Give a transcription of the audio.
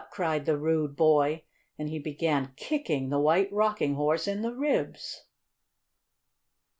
cried the rude boy, and he began kicking the White Rocking Horse in the ribs.